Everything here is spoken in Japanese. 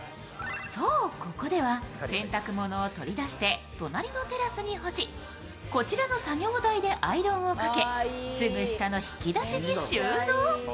ここでは洗濯物を取り出して隣のテラスに干しこちらの作業台でアイロンをかけ、すぐ下の引き出しに収納。